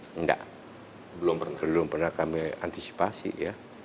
tidak belum pernah kami antisipasi ya